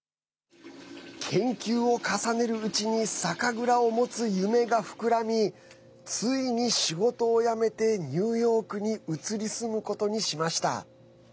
研究を重ねるうちに酒蔵を持つ夢が膨らみついに仕事を辞めてニューヨークに移り住むことにしました。